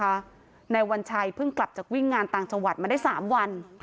นายวัญชัยเพิ่งกลับจากวิ่งงานต่างจังหวัดมาได้๓วัน